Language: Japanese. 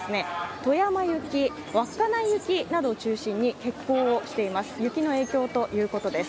富山行き、稚内行きなどを中心に欠航をしています。